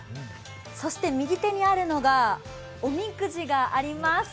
そして、右手にあるのがおみくじがあります。